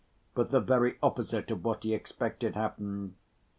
But the very opposite of what he expected happened.